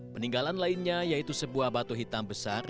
peninggalan lainnya yaitu sebuah batu hitam besar